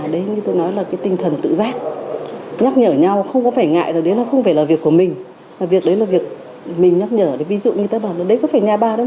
không đấy là trách nhiệm của tôi đối với